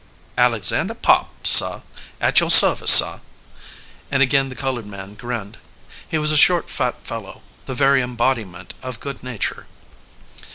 "Alexander Pop, sah, at yo' service, sah," and again the colored man grinned. He was a short, fat fellow, the very embodiment of good nature.